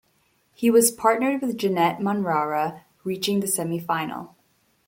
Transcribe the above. He was partnered with Janette Manrara, reaching the semi-final.